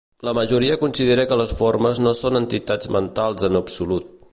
La majoria considera que les formes no són entitats mentals en absolut.